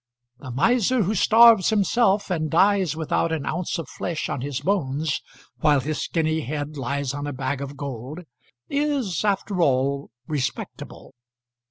The miser who starves himself and dies without an ounce of flesh on his bones, while his skinny head lies on a bag of gold, is after all, respectable.